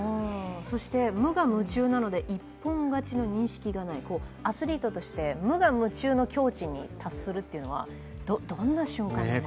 そして無我夢中なので一本勝ちの認識がないアスリートとして無我夢中の境地に達するというのは、どんな瞬間なんですか？